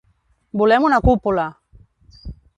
Volem una cúpula!